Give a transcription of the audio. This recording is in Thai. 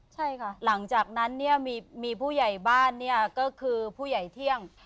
ใช่ค่ะหลังจากนั้นมีผู้ใหญ่บ้านก็คือผู้ใหญ่เที่ยง